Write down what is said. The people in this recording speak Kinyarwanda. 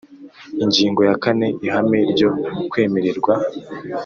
Ingingo ya kane Ihame ryo kwemererwa